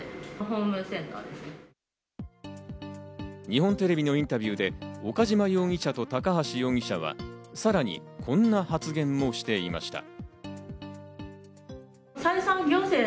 日本テレビのインタビューで岡島容疑者と高橋容疑者はさらにこんな発言もしていました。